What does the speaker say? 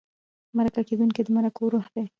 مرکه کېدونکی د مرکو روح دی.